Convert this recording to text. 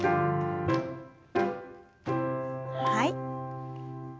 はい。